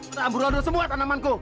terambur lalu semua tanamanku